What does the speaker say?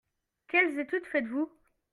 Quelles études faites-vous ?